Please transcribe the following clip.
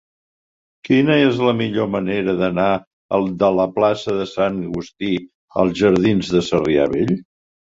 Quina és la millor manera d'anar de la plaça de Sant Agustí als jardins de Sarrià Vell?